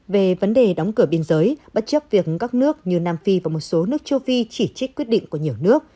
về vấn đề đóng cửa biên giới bất chấp việc các nước như nam phi và một số nước châu phi chỉ trích quyết định của nhiều nước